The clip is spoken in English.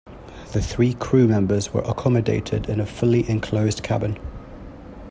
The three crew members were accommodated in a fully enclosed cabin.